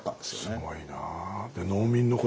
すごいなあ。